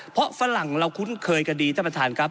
เพราะฝรั่งเราคุ้นเคยกันดีท่านประธานครับ